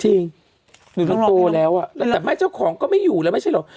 จริงมันโตแล้วอะแต่ไม่เจ้าของก็ไม่อยู่แล้วไม่ใช่หรอก